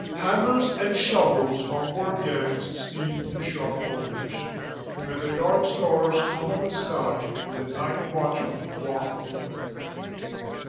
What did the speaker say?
Hammers and shovels of work gangs sleep in shop cornerswhen the dark stars come on the sky and the night watchmen walk and look.